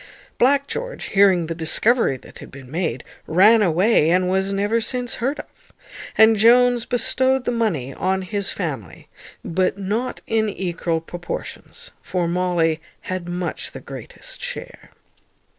Black George, hearing the discovery that had been made, ran away, and was never since heard of; and Jones bestowed the money on his family, but not in equal proportions, for Molly had much the greatest share.